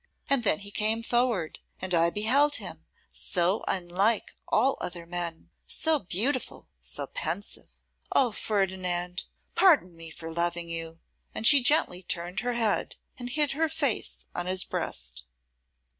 And then he came forward, and I beheld him, so unlike all other men, so beautiful, so pensive! O Ferdinand! pardon me for loving you!' and she gently turned her head, and hid her face on his breast.